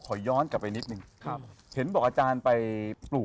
พระพุทธพิบูรณ์ท่านาภิรม